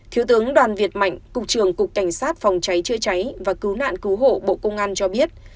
thiếu tướng đoàn việt mạnh cục trường cục cảnh sát phòng cháy chữa cháy và cứu nạn cứu hộ bộ công an cho biết